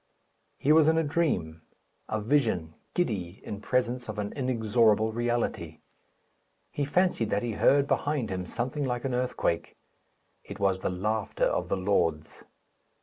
He was in a dream a vision giddy in presence of an inexorable reality. He fancied that he heard behind him something like an earthquake. It was the laughter of the Lords.